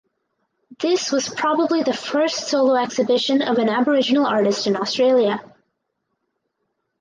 This was probably the first solo exhibition of an Aboriginal artist in Australia.